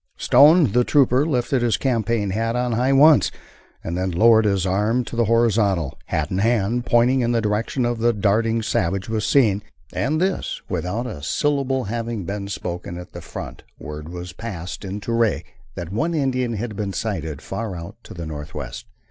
Stone, the trooper, lifted his campaign hat on high once, and then lowered his arm to the horizontal, hat in hand, pointing in the direction the darting savage was seen, and thus, without a syllable having been spoken at the front, word was passed in to Ray that one Indian had been sighted far out to the northwest.